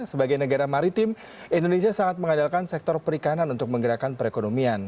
sebagai negara maritim indonesia sangat mengandalkan sektor perikanan untuk menggerakkan perekonomian